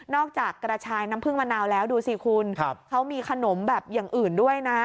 กระชายน้ำผึ้งมะนาวแล้วดูสิคุณเขามีขนมแบบอย่างอื่นด้วยนะ